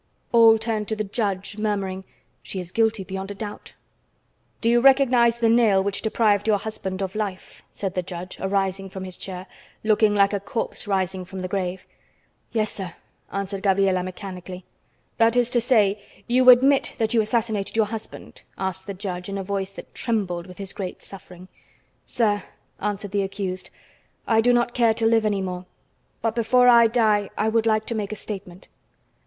All turned to the judge, murmuring: "She is guilty beyond a doubt." "Do you recognize the nail which deprived your husband of life?" said the judge, arising from his chair, looking like a corpse rising from the grave. "Yes, sir," answered Gabriela mechanically. "That is to say, you admit that you assassinated your husband?" asked the judge, in a voice that trembled with his great suffering. "Sir," answered the accused, "I do not care to live any more, but before I die I would like to make a statement."